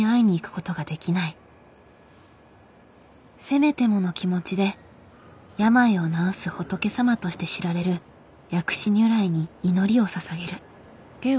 せめてもの気持ちで病を治す仏様として知られる薬師如来に祈りをささげる。